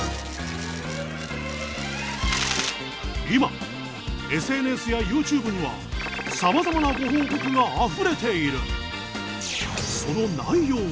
今ＳＮＳやＹｏｕＴｕｂｅにはさまざまなご報告があふれている。